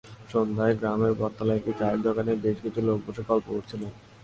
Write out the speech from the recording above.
সন্ধ্যায় গ্রামের বটতলায় একটি চায়ের দোকানে বেশ কিছু লোক বসে গল্প করছিলেন।